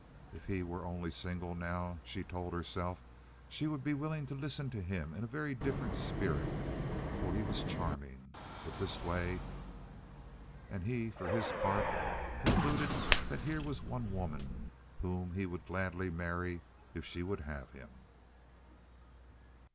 If he were only single now, she told herself, she would be willing to listen to him in a very different spirit, for he was charming. But this way— And he, for his part, concluded that here was one woman whom he would gladly marry if she would have him.